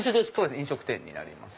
飲食店になります。